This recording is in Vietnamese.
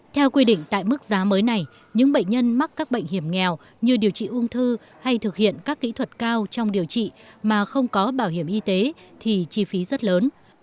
theo quy định tại mức giá mới này những bệnh nhân mắc các bệnh hiểm nghèo như điều trị ung thư hay thực hiện các kỹ thuật cao trong điều trị mà không có bảo hiểm y tế thì chi phí rất lớn